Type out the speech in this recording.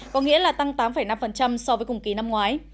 có nghĩa là tăng tám năm so với cùng kỳ năm ngoái